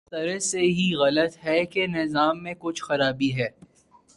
یہ بحث سرے سے ہی غلط ہے کہ نظام میں کچھ خرابی ہے۔